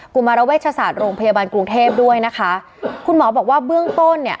ุมารเวชศาสตร์โรงพยาบาลกรุงเทพด้วยนะคะคุณหมอบอกว่าเบื้องต้นเนี่ย